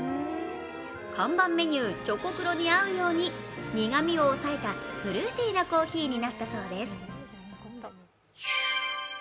看板メニュー・チョクコロに合うように苦みを抑えたフルーティーなコーヒーになったそうです。